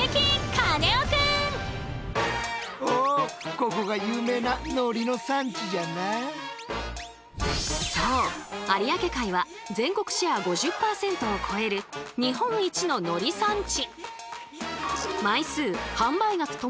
カネオくん！そう有明海は全国シェア５０％を超える日本一の海苔産地。